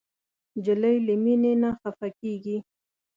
نجلۍ له مینې نه خفه کېږي.